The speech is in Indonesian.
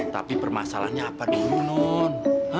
tapi permasalahnya apa deh nol